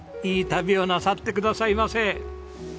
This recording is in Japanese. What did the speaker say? いい旅をなさってくださいませ。